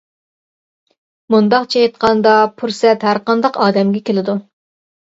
مۇنداقچە ئېيتقاندا، پۇرسەت ھەرقانداق ئادەمگە كېلىدۇ.